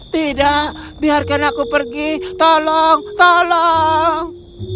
tidak biarkan aku pergi tolong tolong